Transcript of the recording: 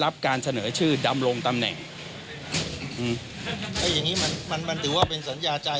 การเสนอชื่อดำรงตำแหน่งอืมไอ้อย่างงี้มันมันถือว่าเป็นสัญญาใจ